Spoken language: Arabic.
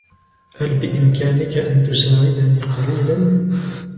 هل بإمكانك أن تساعدني قليلا ؟